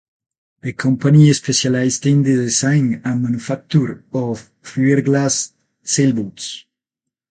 The company specialized in the design and manufacture of fiberglass sailboats.